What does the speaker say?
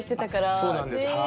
そうなんです。